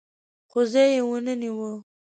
خو ځای یې ونه نیو.